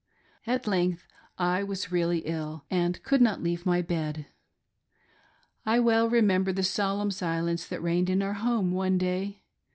At length I was really ill, and could not leave my bed. I well remember the solemn silence that reigned in our home one day.